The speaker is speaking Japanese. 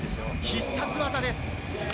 必殺技です。